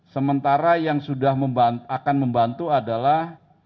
sementara yang sudah akan membantu adalah